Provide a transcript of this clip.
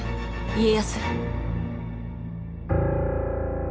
家康。